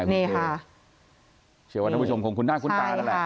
นี่ไงคุณพิวเชื่อวันท่านผู้ชมคงคุ้นหน้าคุ้นตาแล้วแหละ